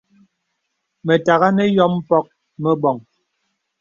Mə̀tàghā nə yɔ̄m mpɔ̄k meboŋ.